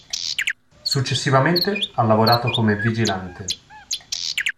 Successivamente ha lavorato come vigilante.